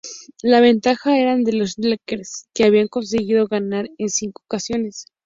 La ventaja era de los Lakers que habían conseguido ganar en cinco ocasiones.